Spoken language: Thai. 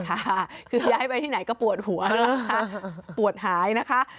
ค่ะคือย้ายไปที่ไหนก็ปวดหัวปวดหายนะคะ